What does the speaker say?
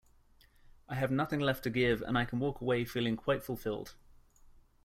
I have nothing left to give and I can walk away feeling quite fulfilled.